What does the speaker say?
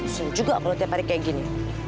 seneng juga kalau teparin kayak gini